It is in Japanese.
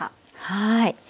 はい。